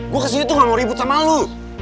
gue kesini tuh gak mau ribut sama lu